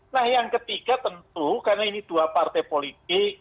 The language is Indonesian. nah yang ketiga tentu karena ini dua partai politik